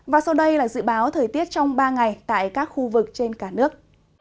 và sau đây là dự báo thời tiết trong ba ngày tại các khu vực trên cả nước